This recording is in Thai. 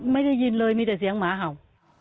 ได้ยินเลยมีแต่เสียงหมาเห่า